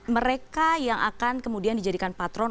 mereka yang akan kemudian dijadikan patron